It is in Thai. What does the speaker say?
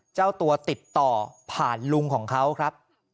เจ้าตัวติดต่อผ่านลุงของเขาครับ